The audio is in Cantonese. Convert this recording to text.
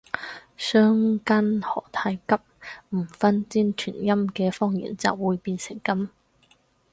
相姦何太急，唔分尖團音嘅方言就會變成噉